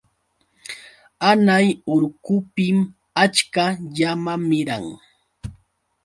Hanay urqupim achka llama miran.